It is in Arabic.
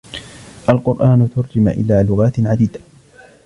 القرآن تُرجم إلى لغات عديدة.